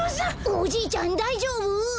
おじいちゃんだいじょうぶ！？